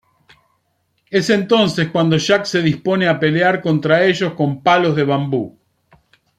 Es entonces cuando Jack se dispone a pelear contra ellos con palos de bambú.